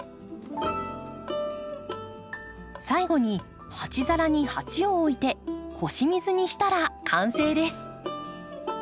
最後に鉢皿に鉢を置いて腰水にしたら完成です。